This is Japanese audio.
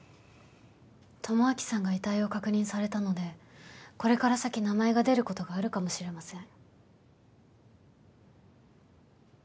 智明さんが遺体を確認されたのでこれから先名前が出ることがあるかもしれません。